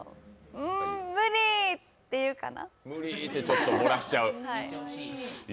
無理って言うかな？